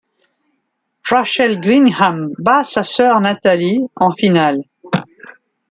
Rachael Grinham bat sa sœur Natalie en finale.